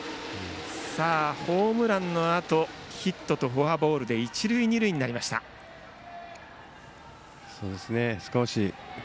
ホームランのあとヒットとフォアボールで一塁二塁になりました。